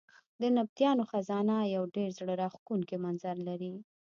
د نبطیانو خزانه یو ډېر زړه راښکونکی منظر لري.